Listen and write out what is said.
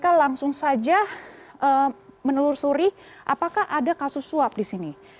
kpk langsung saja menelusuri apakah ada kasus suap di sini